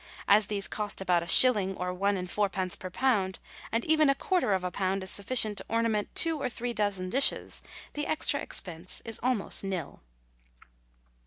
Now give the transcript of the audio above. As these cost about a shilling or one and fourpence per pound, and even a quarter of a pound is sufficient to ornament two or three dozen dishes, the extra expense is almost nil.